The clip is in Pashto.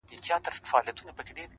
دا شاعر خپل نه کوي دا شاعر پردی نه کوي;